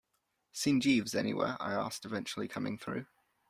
'Seen Jeeves anywhere?' I asked, eventually coming through.